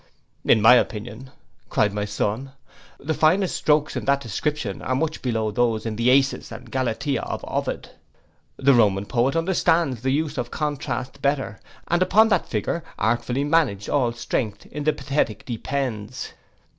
'—'In my opinion,' cried my son, 'the finest strokes in that description are much below those in the Acis and Galatea of Ovid. The Roman poet understands the use of contrast better, and upon that figure artfully managed all strength in the pathetic depends.